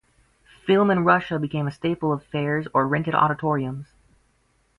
Film in Russia became a staple of fairs or rented auditoriums.